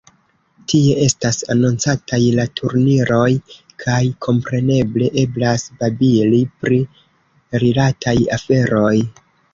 Tie estas anoncataj la turniroj, kaj kompreneble eblas babili pri rilataj aferoj.